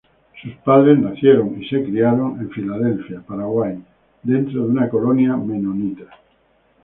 Sus padres fueron nacidos y criados en Filadelfia, Paraguay, dentro de una colonia menonita.